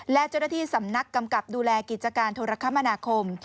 และเจ้าหน้าที่สำนักกำกับดูแลกิจการโทรคมนาคม